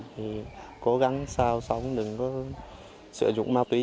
thì cố gắng sao xong đừng có sử dụng ma túy